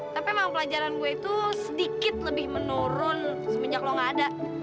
tapi memang pelajaran gua itu sedikit lebih menurun semenjak lo nggak ada